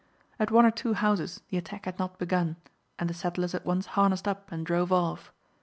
At one or two houses the attack had not begun, and the settlers at once harnessed up and drove off.